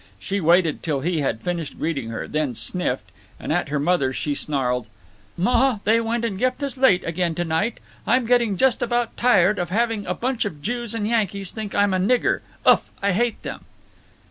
She waited till he had finished greeting her, then sniffed, and at her mother she snarled: "Ma, they went and kept us late again to night. I'm getting just about tired of having a bunch of Jews and Yankees think I'm a nigger. Uff! I hate them!"